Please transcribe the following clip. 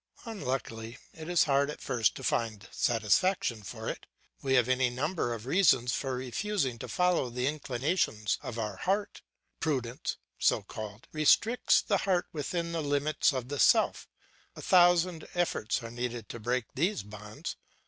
Unluckily it is hard at first to find satisfaction for it; we have any number of reasons for refusing to follow the inclinations of our heart; prudence, so called, restricts the heart within the limits of the self; a thousand efforts are needed to break these bonds.